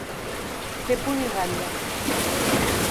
Fer punt i ratlla.